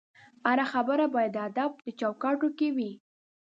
هره خبره باید د ادب چوکاټ کې وي